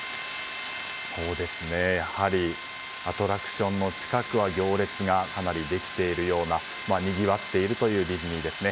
やはりアトラクションの近くは行列がかなりできているようなにぎわっているというディズニーですね。